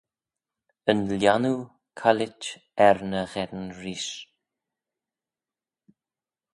Yn Lhiannoo Caillit er ny Gheddyn Reesht.